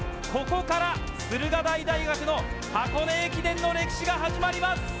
ここから駿河台大学の箱根駅伝の歴史が始まります。